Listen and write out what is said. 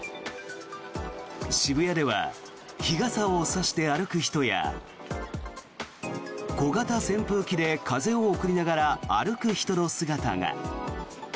渋谷では日傘を差して歩く人や小型扇風機で風を送りながら歩く人の姿が。